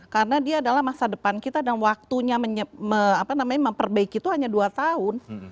karena dia adalah masa depan kita dan waktunya memperbaiki itu hanya dua tahun